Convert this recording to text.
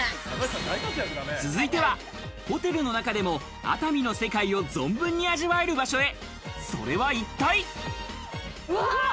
続いてはホテルの中でも熱海の世界を存分に味わえる場所へ。